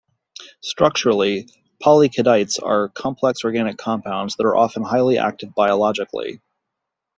Structurally, polyketides are complex organic compounds that are often highly active biologically.